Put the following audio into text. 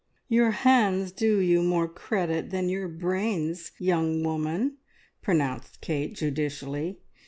"Your hands do you more credit than your brains, young woman!" pronounced Kate judicially.